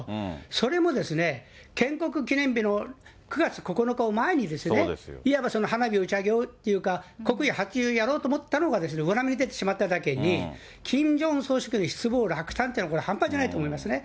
それもですね、建国記念日の９月９日を前に、いわば、その花火打ち上げ用というか、国威発揚をやろうと思ったのが裏目に出てしまっただけに、キム・ジョンウン総書記の失望、落胆というのは半端じゃないと思いますね。